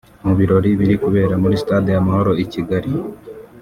mu birori biri kubera muri stade Amahoro i Kigali